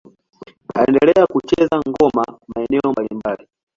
Aliendelea kucheza ngoma maeneo mbalimbali.